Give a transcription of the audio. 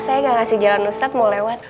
saya gak ngasih jalan ustadz mau lewat